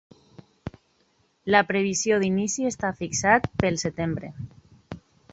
La previsió d’inici està fixat pel setembre.